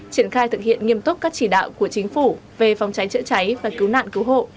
triển khai thực hiện nghiêm túc các chỉ đạo của chính phủ về phòng cháy chữa cháy và cứu nạn cứu hộ